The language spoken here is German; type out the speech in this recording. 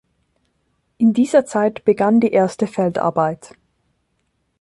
In dieser Zeit begann die erste Feldarbeit.